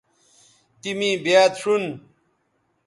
تی می بیاد شون